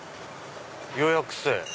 「予約制」。